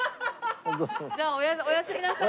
じゃあおやすみなさい。